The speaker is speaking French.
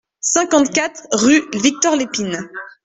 cinquante-quatre rue Victor Lépine